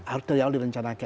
artinya itu direncanakan